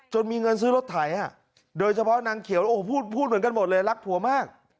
มีเงินซื้อรถไถโดยเฉพาะนางเขียวโอ้โหพูดเหมือนกันหมดเลยรักผัวมาก